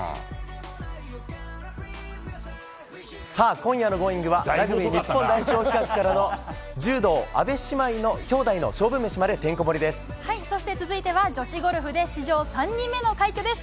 今夜の「Ｇｏｉｎｇ！」はラグビー日本代表からの柔道、阿部姉妹の兄弟の続いては女子ゴルフで史上３人目の快挙です。